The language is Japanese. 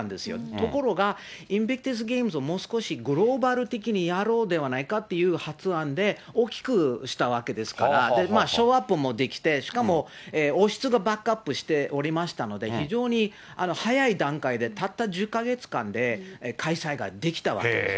ところが、インビクタス・ゲームをもう少しグローバル的にやろうではないかという発案で、大きくしたわけですから、ショーアップもできて、しかも王室がバックアップしておりましたので、非常に早い段階で、たった１０か月間で開催ができたわけです。